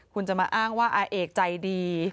คุณจะมาอ้างว่าอาเอกใจดี